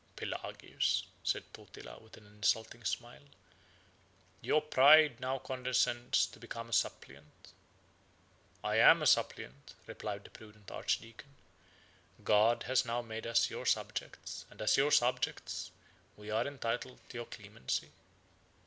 "Pelagius," said Totila, with an insulting smile, "your pride now condescends to become a suppliant." "I am a suppliant," replied the prudent archdeacon; "God has now made us your subjects, and as your subjects, we are entitled to your clemency."